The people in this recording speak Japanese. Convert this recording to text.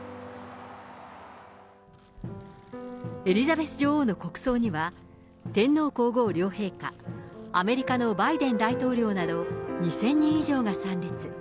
エリザベス女王の国葬には、天皇皇后両陛下、アメリカのバイデン大統領など、２０００人以上が参列。